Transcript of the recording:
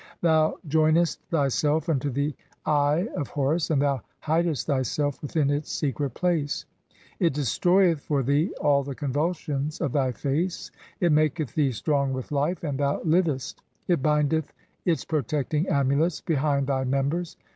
Thou joinest thyself unto the Eye of "Horus, and thou hidest thyself within its secret place ; it des "troyeth for thee all the convulsions of thy face, it maketh thee "strong with life, and thou livest. It bindeth its protecting amulets "behind thy members.